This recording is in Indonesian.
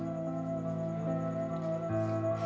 aku terlalu berharga